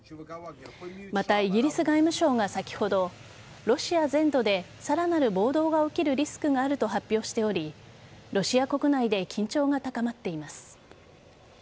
また、イギリス外務省が先ほどロシア全土でさらなる暴動が起きるリスクがあると発表しておりロシア国内で緊張が高まっています。